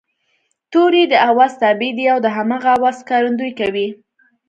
توری د آواز تابع دی او د هماغه آواز ښکارندويي کوي